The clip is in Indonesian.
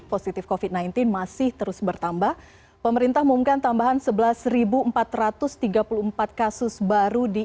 positif covid sembilan belas masih terus bertambah pemerintah mengumumkan tambahan sebelas empat ratus tiga puluh empat kasus baru di